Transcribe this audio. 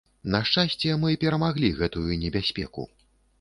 На шчасце, мы перамаглі гэтую небяспеку.